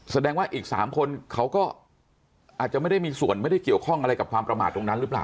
แสดงว่าอีก๓คนเขาก็อาจจะไม่ได้มีส่วนไม่ได้เกี่ยวข้องอะไรกับความประมาทตรงนั้นหรือเปล่า